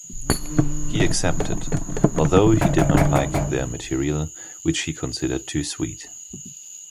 He accepted, although he did not like their material, which he considered too sweet.